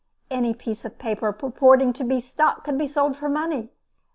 Any piece of paper purporting to be stock could be sold for money.